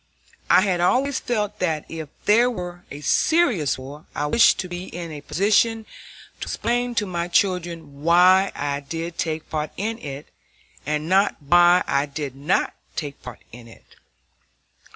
I had always felt that if there were a serious war I wished to be in a position to explain to my children why I did take part in it, and not why I did not take part in it.